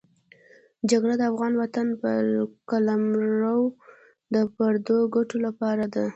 جګړه د افغان وطن پر قلمرو د پردو ګټو لپاره ده.